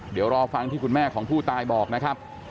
เดี๋ยวรอฟังที่คุณแม่ของผู้ตายบอกนะครับ